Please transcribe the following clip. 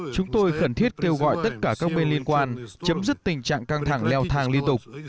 chúng tôi khẩn thiết kêu gọi tất cả các bên liên quan chấm dứt tình trạng căng thẳng leo thang liên tục